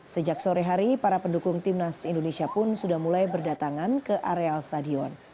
sejak sore hari para pendukung timnas indonesia pun sudah mulai berdatangan ke areal stadion